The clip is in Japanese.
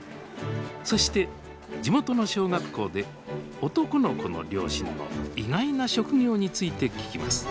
そして地元の小学校で男の子の両親の意外な職業について聞きます